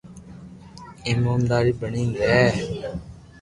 ايموندار بڻين رھي